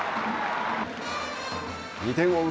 ２点を追う